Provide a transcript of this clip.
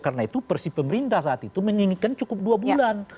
karena itu persi pemerintah saat itu menginginkan cukup dua bulan